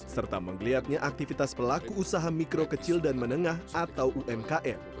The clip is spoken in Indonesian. serta menggeliatnya aktivitas pelaku usaha mikro kecil dan menengah atau umkm